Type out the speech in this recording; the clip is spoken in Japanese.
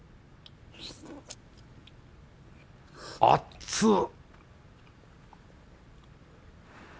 あっつ！